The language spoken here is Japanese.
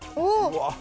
うわっ！